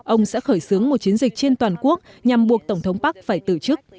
ông sẽ khởi xướng một chiến dịch trên toàn quốc nhằm buộc tổng thống park phải từ chức